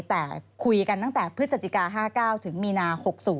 แต่คุยกันตั้งแต่พฤศจิกา๕๙ถึงมีนา๖๐